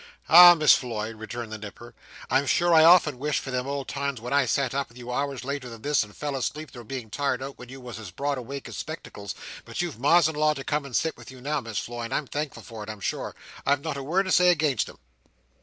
"Ah, Miss Floy!" returned the Nipper, "I'm sure I often wish for them old times when I sat up with you hours later than this and fell asleep through being tired out when you was as broad awake as spectacles, but you've ma's in law to come and sit with you now Miss Floy and I'm thankful for it I'm sure. I've not a word to say against 'em."